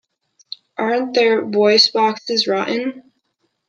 Aren't their voice boxes rotten?